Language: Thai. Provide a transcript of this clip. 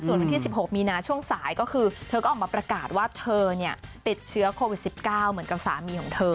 ส่วนวันที่๑๖มีนาช่วงสายก็คือเธอก็ออกมาประกาศว่าเธอติดเชื้อโควิด๑๙เหมือนกับสามีของเธอ